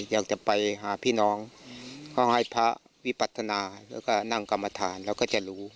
อยากจะไปหาพี่น้องเขาให้พระวิปัฒนาแล้วก็นั่งกรรมฐานเราก็จะรู้